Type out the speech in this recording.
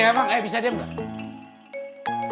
emang gak bisa diam gak